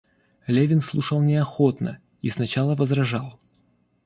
Левин слушал неохотно и сначала возражал.